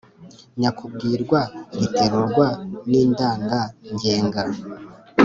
nyakubwirwa riterurwa n’indangangenga,